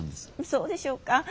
そうでしょうか？